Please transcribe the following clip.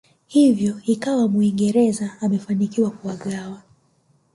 Hivyo ikawa muingereza amefanikiwa kuwagawa